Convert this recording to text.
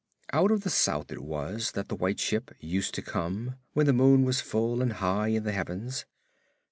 Out of the South it was that the White Ship used to come when the moon was full and high in the heavens.